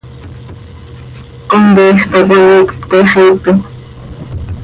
Comqueej tacoi iicp pte xiipe.